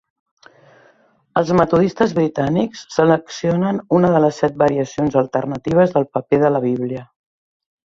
Els metodistes britànics seleccionen una de les set variacions alternatives del paper de la Bíblia.